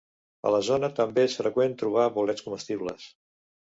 A la zona també és freqüent trobar bolets comestibles.